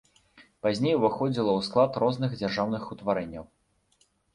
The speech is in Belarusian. Пазней уваходзіла ў склад розных дзяржаўных утварэнняў.